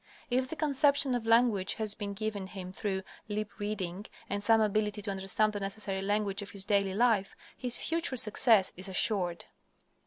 If the conception of language has been given him through lip reading, and some ability to understand the necessary language of his daily life, his future success is assured.